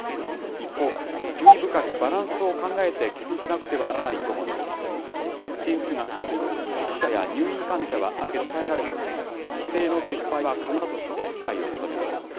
一方で、注意深くバランスを考えて決断しなくてはならないとも述べ、ワクチン接種が進み、死者や入院患者はある程度抑えられており、規制の撤廃は可能だとして、理解を求めました。